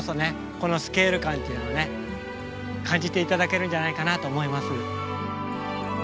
このスケール感っていうのをね感じて頂けるんじゃないかなと思います。